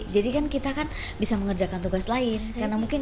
jadi kan kita bisa mengerjakan tugas lain